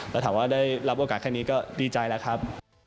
แล้วถามว่าได้รับโอกาสแค่นี้ก็ดีใจแล้วครับ